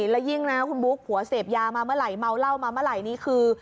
แล้วยิ่งนะคุณบุ๊คผัวเสพยามาเมื่อไหร่เมาเหล้ามาเมื่อไหร่นี่คือ